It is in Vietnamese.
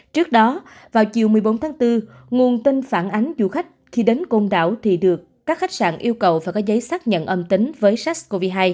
trước đó vào chiều một mươi bốn tháng bốn nguồn tin phản ánh du khách khi đến côn đảo thì được các khách sạn yêu cầu phải có giấy xác nhận âm tính với sars cov hai